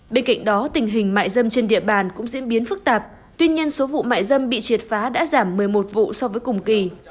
bên cạnh đó tình hình mại dâm trên địa bàn cũng diễn biến phức tạp tuy nhiên số vụ mại dâm bị triệt phá đã giảm một mươi một vụ so với cùng kỳ